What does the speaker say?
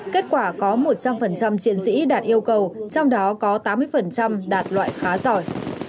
kết quả có một trăm linh chiến sĩ đạt yêu cầu trong đó có tám mươi đạt loại khá giỏi